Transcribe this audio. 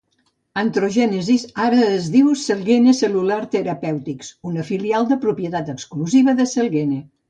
Anthrogenesis ara es diu Celgene Cellular Therapeutics, una filial de propietat exclusiva de Celgene.